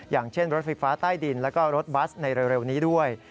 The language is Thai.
อย่างเช่นรถไฟฟ้าใต้ดินแล้วก็รถบัสในเร็วนี้ด้วย